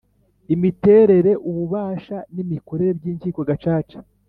Imiterere ububasha n imikorere by inkiko gacaca